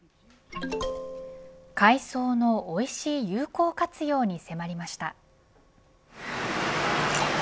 海藻のおいしい有効活用に迫りました。